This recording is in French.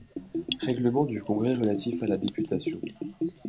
Règlement du Congrès relatif à la députation.